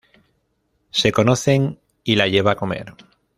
Se conocen y la lleva a comer.